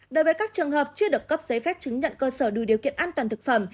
đối với các trường hợp chưa được cấp giấy phép chứng nhận cơ sở đủ điều kiện an toàn thực phẩm